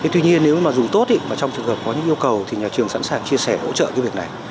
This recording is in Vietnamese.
tuy nhiên nếu mà dùng tốt thì trong trường hợp có những yêu cầu thì nhà trường sẵn sàng chia sẻ hỗ trợ cái việc này